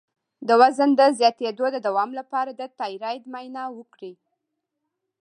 د وزن د زیاتیدو د دوام لپاره د تایرايډ معاینه وکړئ